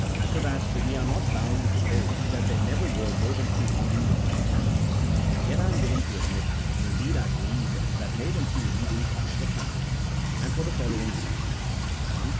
So that we are not bound to hold that there never were more than two readings of any passage, yet I am willing to admit, and indeed I believe that more than two readings are never found : and for the following reasons :— (I.)